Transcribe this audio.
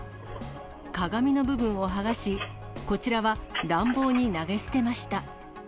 鏡の部分を剥がし、こちらは乱暴に投げ捨てました。